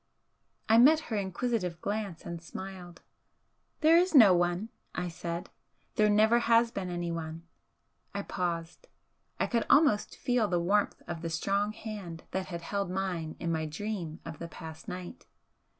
I met her inquisitive glance and smiled. "There is no one," I said "There never has been anyone." I paused; I could almost feel the warmth of the strong hand that had held mine in my dream of the past night.